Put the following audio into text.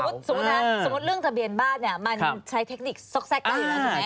สมมติธะเบียนบ้านใช้เทคนิคซอกแซ่งได้เลย